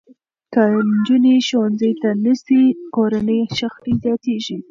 که نجونې ښوونځي ته نه ځي، کورني شخړې زیاتېږي.